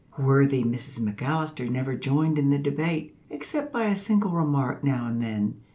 Worthy Mrs McAllister never joined in the debate, except by a single remark now and then.